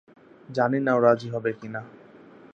জানি না ও রাজি হবে কিনা।